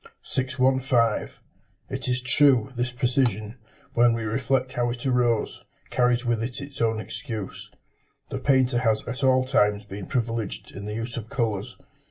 615. It is true, this precision, when we reflect how it arose, carries with it its own excuse. The painter has at all times been privileged in the use of colours.